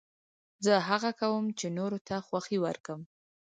زه هڅه کوم، چي نورو ته خوښي ورکم.